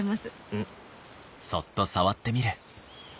うん。